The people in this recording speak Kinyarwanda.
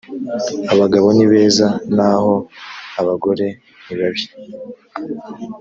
abagabo ni beza naho abagore nibabi